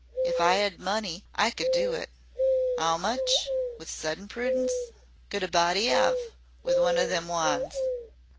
"If I 'ad money I could do it. 'Ow much," with sudden prudence, "could a body 'ave with one o' them wands?"